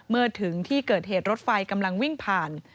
เมื่อถึงที่เกิดเหตุรถไฟกำลังวิ่งผ่าน